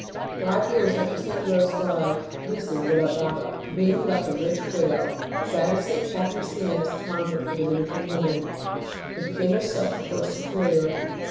Five years after St. Rose died, Lucy de la Daga, being left a rich widow, founded St. Catherine of Siena s convent l88 ST. ROSE OF LIMA for Dominican women, and became herself the first Superior.